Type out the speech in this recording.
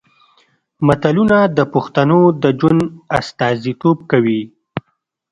متلونه د پښتنو د ژوند استازیتوب کوي